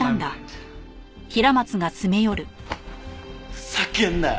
ふざけんなよ！